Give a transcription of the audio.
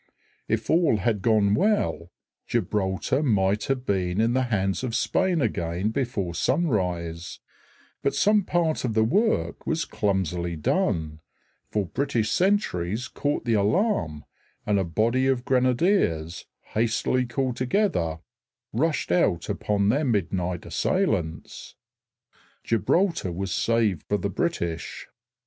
If all had gone well, Gibraltar might have been in the hands of Spain again before sunrise; but some part of the work was clumsily done, for British sentries caught the alarm, and a body of grenadiers, hastily called together, rushed out upon their midnight assailants. Gibraltar was saved for the British.